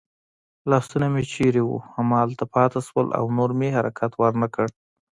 لاسونه مې چېرې وو همالته پاتې شول او نور مې حرکت ور نه کړ.